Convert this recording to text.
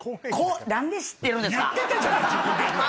何で知ってるんですか？